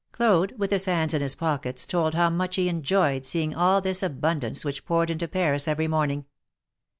Claude, with his hands in his pocket, told how much he enjoyed seeing all this abundance which poured into Paris every morning.